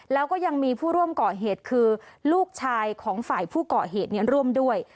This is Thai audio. แล้วก็ยังมีผู้ร่วมก่อเหตุคือลูกชายของฝ่ายผู้ก่อเหตุร่วมด้วย